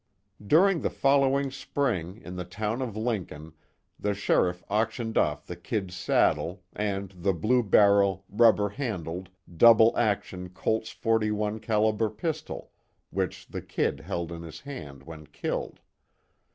During the following spring in the town of Lincoln, the sheriff auctioned off the "Kid's" saddle, and the blue barrel, rubber handled, double action Colt's 41 calibre pistol, which the "Kid" held in his hand when killed.